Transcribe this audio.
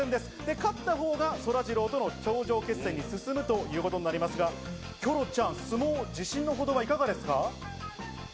勝ったほうがそらジローとの頂上決戦に進むということになりますが、キョロちゃん、相撲、自信のほどはいかがですか？